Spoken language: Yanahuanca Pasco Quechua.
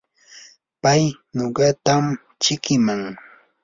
pay nuqatam chikiman.